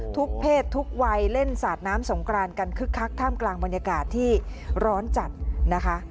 เพศทุกวัยเล่นสาดน้ำสงกรานกันคึกคักท่ามกลางบรรยากาศที่ร้อนจัดนะคะ